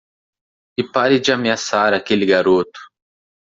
E pare de ameaçar aquele garoto.